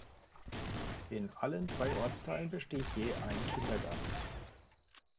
In allen drei Ortsteilen besteht je ein Kindergarten.